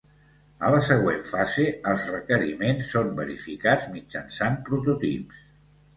A la següent fase, els requeriments són verificats mitjançant prototips.